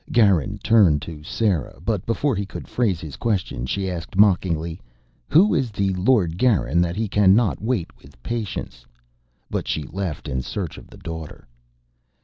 Garin turned to Sera, but before he could phrase his question, she asked mockingly: "Who is the Lord Garin that he can not wait with patience?" But she left in search of the Daughter.